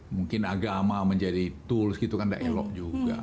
mungkin agama menjadi tools gitu kan tidak elok juga